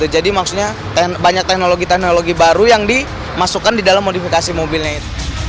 jadi maksudnya banyak teknologi teknologi baru yang dimasukkan di dalam modifikasi mobilnya itu